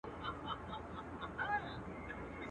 اور به یې سبا د شیش محل پر لمن وګرځي.